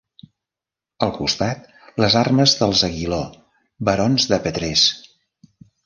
Al costat, les armes dels Aguiló, barons de Petrés.